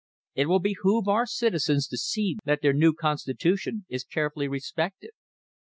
It will behoove our citizens to see that their new constitu tion is carefully respected.